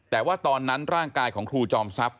แต่ว่าตอนนั้นร่างกายของครูจอมทรัพย